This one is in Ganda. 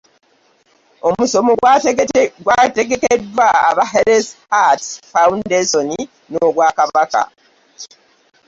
Omusomo gwategekeddwa aba Healthy Heart Foundation n'obwakabaka